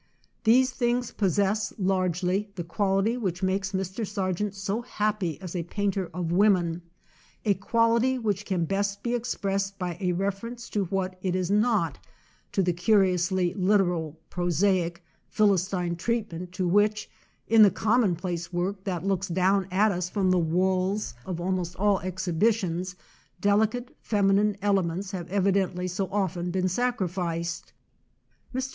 These things possess, largely, the quality which makes Mr. Sar gent so happy as a painter of women â a quality which can best be expressed by a reference to what it is not, to the curious ly literal, prosaic, Philistine treatment to which, in the commonplace work that looks down at us from the walls of almost all exhibitions, delicate feminine elements have evidently so often been sacrificed. Mr.